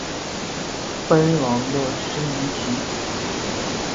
奔王的升级棋。